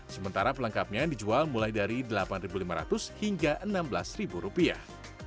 sementara pelengkapnya dijual mulai dari delapan lima ratus hingga enam belas rupiah